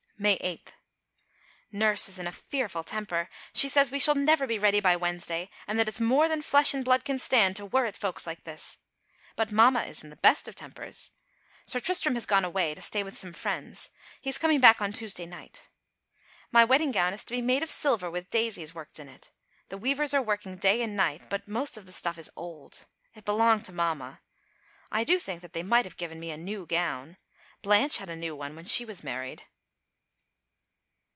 May 8. Nurse is in a fearful temper. She says we shall never be ready by Wednesday and that it's more than flesh and blood can stand to worrit folks like this. But mamma is in the best of tempers. Sir Tristram has gone away to stay with some friends he is coming back on Tuesday night. My wedding gown is to be made of silver with daisies worked on it. The weavers are working day and night, but most of the stuff is old. It belonged to mamma. I do think they might have given me a new gown. Blanche had a new one when she was married.